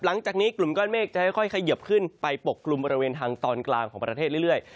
หลังจากนี้กลุ่มก้อนเมฆจะค่อยเขยิบขึ้นไปปกกลุ่มบริเวณทางตอนกลางของประเทศเรื่อย